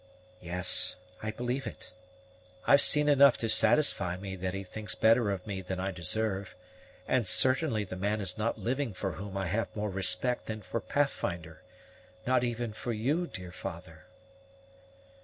"Yes, I believe it; I've seen enough to satisfy me that he thinks better of me than I deserve; and certainly the man is not living for whom I have more respect than for Pathfinder; not even for you, dear father."